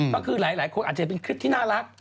ก็คือหลายคนอาจจะเป็นคลิปที่น่ารัก